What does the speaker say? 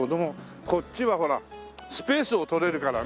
こっちはほらスペースを取れるからね。